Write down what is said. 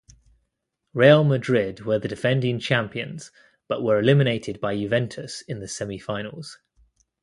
Real Madrid were the defending champions, but were eliminated by Juventus in the semi-finals.